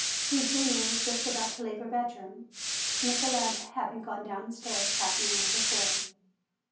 Eugenia was just about to leave her bedroom, Nicolete having gone downstairs half an hour before.